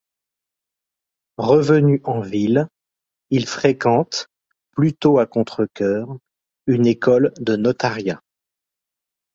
Revenu en ville, il fréquente, plutôt à contrecœur, une école de notariat.